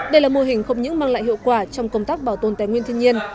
đây là mô hình không những mang lại hiệu quả trong công tác bảo tồn tài nguyên thiên nhiên